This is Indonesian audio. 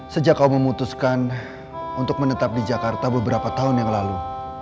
sejak kau memutuskan untuk menetap di jakarta beberapa tahun yang lalu